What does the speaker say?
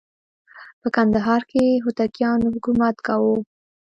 په کندهار کې هوتکیانو حکومت کاوه.